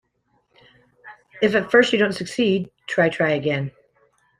If at first you don't succeed, try, try again.